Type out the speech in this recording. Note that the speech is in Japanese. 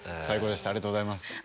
最高でしたありがとうございます。